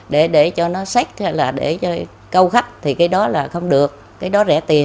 để cho nó sách hay là để cho câu khách thì cái đó là không được cái đó rẻ tiền